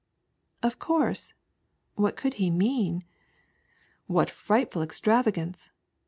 " Of course ;" what could he mean ?■' What frightful extravagance